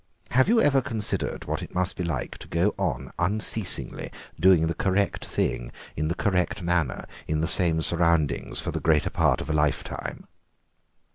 Have you ever considered what it must be like to go on unceasingly doing the correct thing in the correct manner in the same surroundings for the greater part of a lifetime?